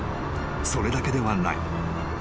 それだけではない］